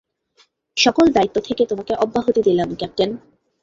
সকল দায়িত্ব থেকে তোমাকে অব্যাহতি দিলাম, ক্যাপ্টেন।